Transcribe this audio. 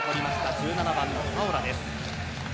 １６番のファオラです。